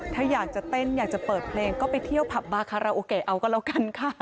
ถ้าอยากจะเต้นอยากจะเปิดเพลงก็ไปเที่ยวผับบาคาราโอเกะเอาก็แล้วกันค่ะ